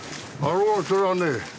それはね